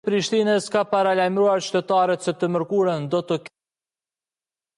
Curtis-Hall portrayed Ben Urich in the Netflix series "Daredevil".